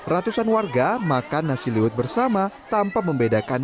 ratusan warga makan nasi liwet bersama tanpa membedakan